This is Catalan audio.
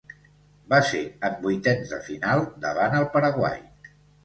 Va ser en vuitens de final davant el Paraguai.